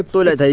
tôi lại thấy